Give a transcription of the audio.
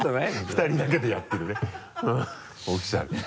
２人だけでやってるねオフィシャル